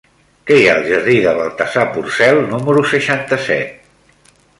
Què hi ha al jardí de Baltasar Porcel número seixanta-set?